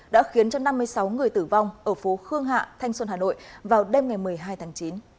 đã khiến cho năm mươi sáu người tử vong ở phố khương hạ thanh xuân hà nội vào đêm ngày một mươi hai tháng chín